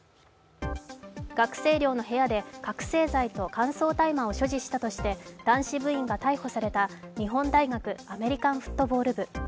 学生寮の部屋で覚醒剤と乾燥大麻を所持したとして男子部員が逮捕された日本大学アメリカンフットボール部。